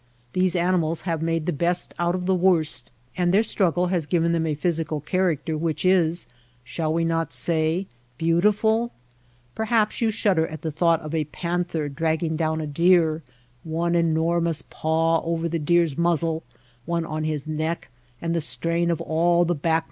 These animals have made the best out of the worst, and their struggle has given them a physical character which is, shall we not say, beautiful ? Perhaps you shudder at the thought of a panther dragging down a deer — one enormous paw over the deer^s muzzle, one on his neck, and the strain of all the back mus The cutthroat band.